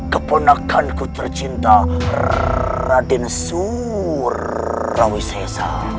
keponakan ku tercinta raden surrawisesa